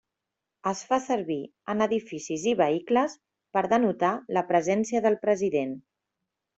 Es fa servir en edificis i vehicles per denotar la presència del president.